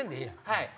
はい。